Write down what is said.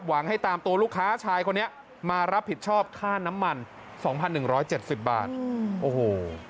หวังให้ตามตัวลูกค้าชายคนนี้มารับผิดชอบค่าน้ำมันสองพันหนึ่งร้อยเจ็ดสิบบาทโอ้โห